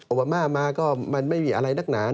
มามาก็มันไม่มีอะไรนักหนา